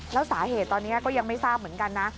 แล้วสาเหตุตอนนี้ก็ยังไม่ทราบเหมือนกันนะ